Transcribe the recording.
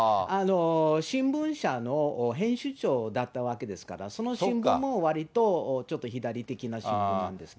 新聞社の編集長だったわけですから、その新聞もわりと、ちょっと左的な新聞なんですけど。